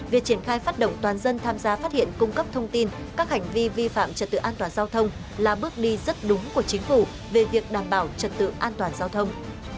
việc triển khai phát động toàn dân tham gia phát hiện cung cấp thông tin các hành vi vi phạm trật tự an toàn giao thông là bước đi rất đúng của chính phủ về việc đảm bảo trật tự an toàn giao thông